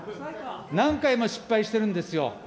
何回も失敗してるんですよ。